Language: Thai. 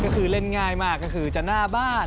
ก็คือเล่นง่ายมากก็คือจะหน้าบ้าน